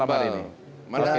waktunya malam hari ini